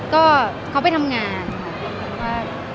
ก็เขาไปทำงานค่ะ